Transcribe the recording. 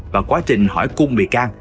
và quá trình hỏi cung bị can